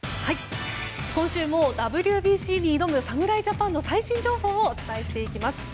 今週もＷＢＣに挑む侍ジャパンの最新情報をお伝えしていきます。